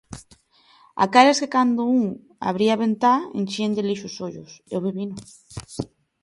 Aquelas que cando un abría a ventá enchían de lixo os ollos, eu vivino.